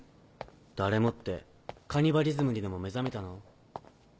誰もってカニバリズムにでも目覚めたの？